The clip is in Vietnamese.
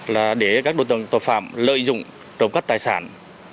là để các đối tượng tội phạm lợi dụng trộm cắp tài sản